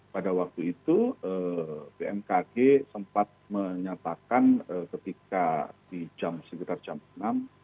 pada waktu itu bmkg sempat menyatakan ketika di jam sekitar jam enam